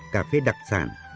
cà phê đặc sản